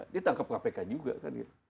ditangkap kpk juga kan